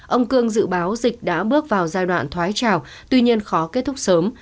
ông cương dự báo dịch đã bước vào giai đoạn thoái trào tuy nhiên khó kết thúc sớm